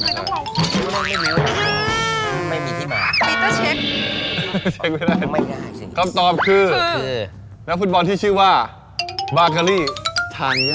ไม่มีที่มากไม่ต้องเช็คไม่ง่ายจริงคำตอบคือนักฟุตบอลที่ชื่อว่าบาร์กาลีทานย่า